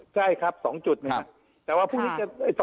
ใช่ครับ๒จุดนะครับแต่ว่าพรุ่งนี้จะ